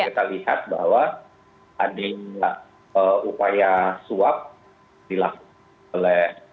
kita lihat bahwa adanya upaya suap dilakukan oleh